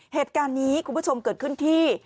เหตุการณ์นี้คุณผู้ชมเกิดขึ้นที่